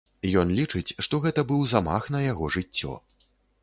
Ён лічыць, што гэта быў замах на яго жыццё.